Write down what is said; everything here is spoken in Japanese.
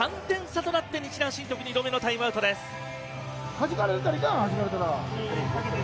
３点差となって日南振徳、タイムアウトです。